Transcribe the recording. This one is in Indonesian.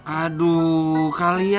aduh kalian ini ya